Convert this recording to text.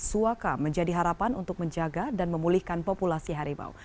suaka menjadi harapan untuk menjaga dan memulihkan populasi harimau